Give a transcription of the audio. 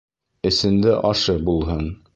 Эсендә ашы булһын.